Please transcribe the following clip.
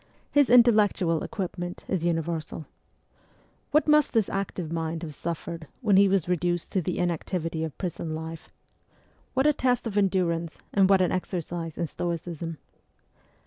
His intellectual equipment is universal. What must this active mind have suffered when he was reduced to the inactivity of prison life ! What a PREFACE XI test of endurance and what an exercise in stoicism